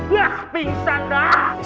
yah pingsan dah